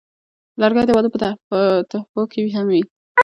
لرګی د واده په تحفو کې هم وي.